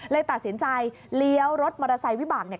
เลยตัดสินใจเลี้ยวรถมอเตอร์ไซค์วิบากเนี่ย